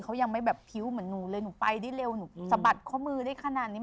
เขายังไม่แบบพิ้วเหมือนหนูเลยหนูไปได้เร็วหนูสะบัดข้อมือได้ขนาดนี้